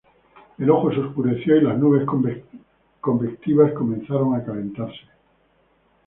El ojo se oscureció y las nubes convectivas comenzaron a calentarse.